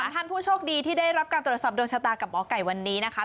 ๓ท่านผู้โชคดีที่รับคำตอบโดยชะตากับมไก่วันนี้นะครับ